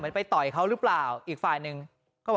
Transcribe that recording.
ผมไม่ได้ผิดไง